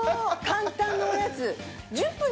簡単なおやつ。